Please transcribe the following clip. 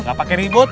gak pake ribet